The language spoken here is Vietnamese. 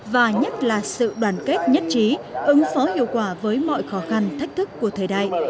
và nhất là sự đoàn kết nhất trí ứng phó hiệu quả với mọi khó khăn thách thức của thời đại